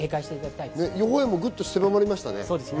予報円も狭まりましたね。